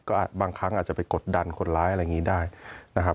ก็บางครั้งอาจจะไปกดดันคนร้ายอะไรอย่างนี้ได้นะครับ